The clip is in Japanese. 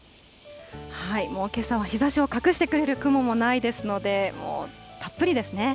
もうけさは日ざしを隠してくれる雲もないですので、もうたっぷりですね。